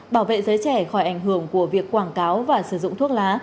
bảo vệ giới trẻ khỏi ảnh hưởng của việc quảng cáo và sử dụng thuốc lá